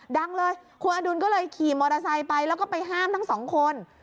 ดังเลยคุณอดุลก็เลยขี่มอเตอร์ไซค์ไปแล้วก็ไปห้ามทั้งสองคน